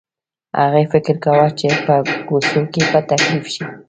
هغې فکر کاوه چې په کوڅو کې به تکليف شي.